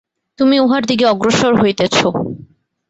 তুমি উহার দিকে অগ্রসর হইতেছ।